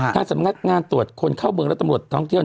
ทางสำนักงานตรวจคนเข้าเมืองและตำรวจท่องเที่ยว